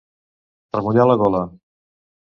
Remullar la gola.